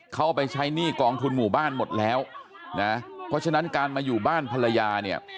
เขาเอาไปใช้หนี้กองทุนหมู่บ้านหมดแล้วนะเพราะฉะนั้นการมาอยู่บ้านภรรยาเนี่ย